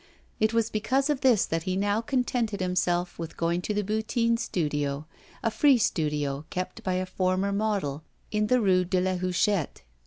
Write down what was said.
It was because of this that he now contented himself with going to the Boutin studio, a free studio, kept by a former model, in the Rue de la Huchette.